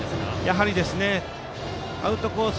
やはりアウトコース